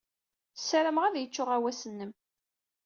Ssarameɣ ad yecc uɣawas-nnem.